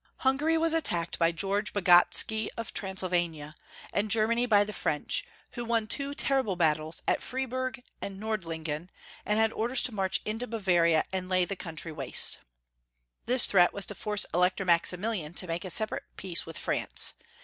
Hungary was attacked by George Bagotsky of Transylvania, and Germany by the French, who won two terrible battles at Friburg and Nordlin gen, and had orders to march into Bavaria and lay the country waste. This threat was to force the Elector Maximilian to make a separate peace with France.